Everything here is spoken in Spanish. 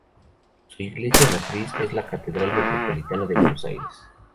Su iglesia matriz es la Catedral Metropolitana de Buenos Aires.